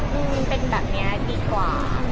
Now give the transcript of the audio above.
มันเป็นแบบนี้ดีกว่า